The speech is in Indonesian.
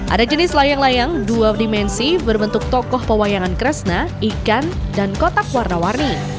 ada jenis layang layang dua dimensi berbentuk tokoh pewayangan kresna ikan dan kotak warna warni